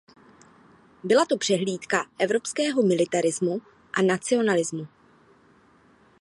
Byla to přehlídka evropského militarismu a nacionalismu.